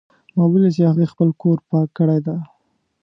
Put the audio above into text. ما ولیدل چې هغې خپل کور پاک کړی ده